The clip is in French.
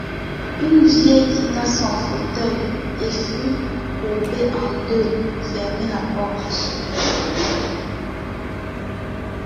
Une vieille quitta son fauteuil et fut, courbée en deux, fermer la porte.